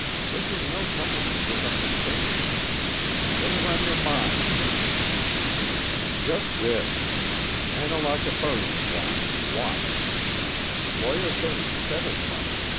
This is no time for misunderstandings. What is on your mind?" "Just this. Annalaka burying ground is watched. Lawyer Bain said as much.